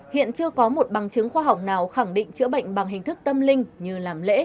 hiện chưa có một bằng chứng khoa học nào khẳng định chữa bệnh bằng hình thức tâm linh như làm lễ